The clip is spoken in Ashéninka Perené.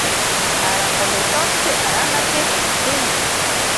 Arakomentotsi aranake shintsini.